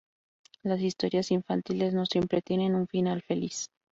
Las historias infantiles no siempre tienen un final feliz.